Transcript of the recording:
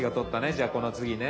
じゃあこの次ね。